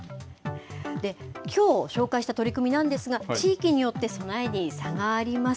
きょう紹介した取り組みなんですが、地域によって備えに差があります。